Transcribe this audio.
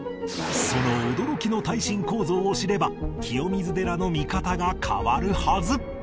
その驚きの耐震構造を知れば清水寺の見方が変わるはず